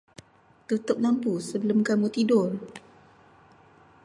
Tutup lampu sebelum kamu tidur.